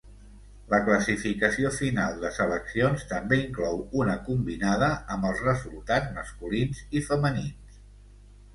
La classificació final de seleccions també inclou una combinada amb els resultats masculins i femenins.